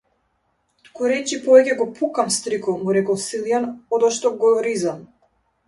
Тукуречи повеќе го пукам, стрико, му рекол Силјан, одошто го ризам.